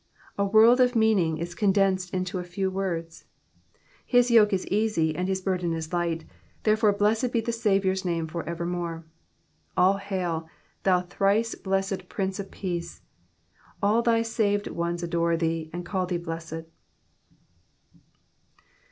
A world of meaning is condensed into a few words. His yoke is easy, and his burden is light, therefore blessed be the Baviour*s name for evermore. All hail ! thou thrice blessed Prince of Peace ! All thy sared ones adore ihce, and call thee blessed.